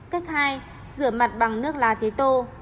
cách hai rửa mặt bằng nước lá tế tô